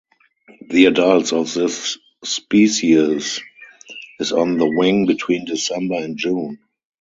The adults of this species is on the wing between December and June.